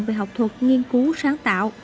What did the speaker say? về học thuật nghiên cứu sáng tạo